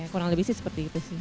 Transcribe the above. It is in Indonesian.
kurang lebih sih seperti itu sih